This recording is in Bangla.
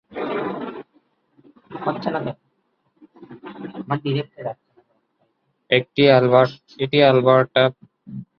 এটি আলবার্টা প্রদেশের জেসপার জাতীয় উদ্যানে, আথাবাস্কা নদীর তীরে অবস্থিত একটি বাণিজ্যিক বিরতি কেন্দ্র।